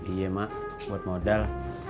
iya mak buat modal